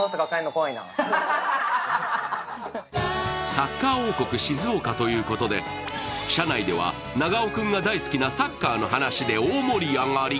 サッカー王国・静岡ということで車内では長尾君が大好きなサッカーの話で大盛り上がり。